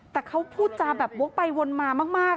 แต่เขาพูดจาแบบวกไปวนมามาก